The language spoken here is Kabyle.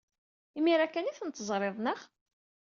Imir-a kan ay ten-teẓrid, naɣ?